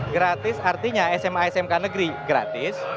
gratis artinya sma smk negeri gratis